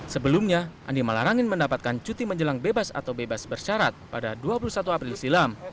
sebelumnya andi malarangin mendapatkan cuti menjelang bebas atau bebas bersyarat pada dua puluh satu april silam